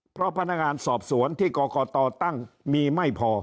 เพราะพนักงานสอบสวนที่กรกตตั้งมีไม่พอ